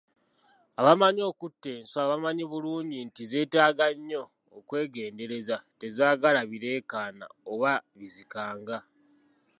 Abamanyi okutta enswa bamanyi bulungi nti zeetaaga nnyo okwegendereza tezaagala bireekaana oba bizikanga.